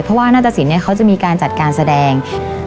เพราะว่าหน้าตะสินเนี่ยเขาจะมีการจัดการแสดง